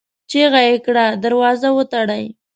چيغه يې کړه! دروازه وتړئ!